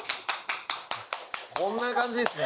こんな感じっすね